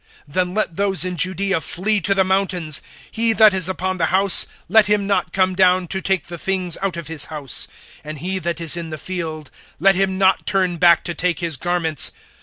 (16)then let those in Judaea flee to the mountains; he that is upon the house, (17)let him not come down to take the things out of his house; (18)and he that is in the field, let him not turn back to take his garments.